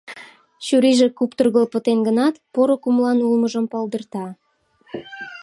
Чурийже куптыргыл пытен гынат, поро кумылан улмыжым палдырта.